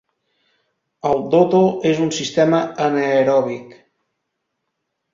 El doto d'un sistema anaeròbic.